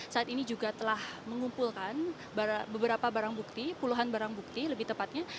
saat ini juga telah mengumpulkan beberapa barang bukti puluhan barang bukti lebih tepatnya